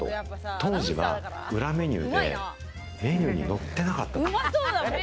当時は裏メニューでメニューに載ってなかった。